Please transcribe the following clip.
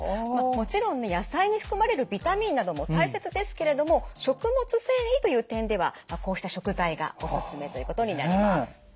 まあもちろんね野菜に含まれるビタミンなども大切ですけれども食物繊維という点ではこうした食材がおすすめということになります。